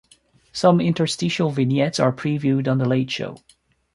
Some interstitial vignettes are previewed on "The Late Show".